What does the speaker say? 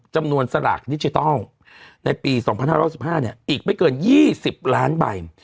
จำนวนสลากดิจิทัลในปี๒๕๖๕เนี่ยอีกไม่เกิน๒๐ล้านใบ